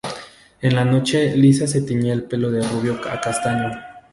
En la noche, Lisa se tiñe el pelo de rubio a castaño.